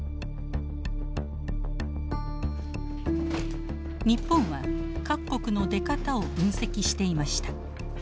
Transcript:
日本は各国の出方を分析していました。